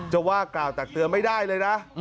จะว่ากล่าวตักเตือนไม่ได้เลยนะ